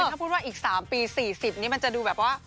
ถ้าพูดว่าอีก๓ปี๔๐นี้มันจะดูแบบว่า